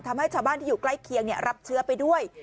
ทำให้ชาวบ้านที่อยู่ใกล้เคียงรับเชื้อไปด้วย